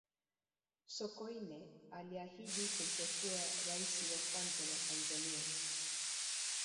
sokoine aliahidi kumpekua raisi wa kwanza wa tanzania